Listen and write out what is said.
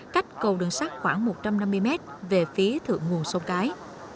cách cầu đường sắt khoảng một trăm năm mươi mét về phía thượng nguồn sông cái